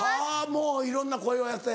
もういろんな声をやって。